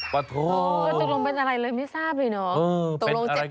ปะโถตกลงเป็นอะไรเลยไม่ทราบเลยเนาะ